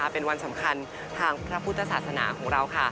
เป็นวันสำคัญทางพระพุทธศาสนาของเรา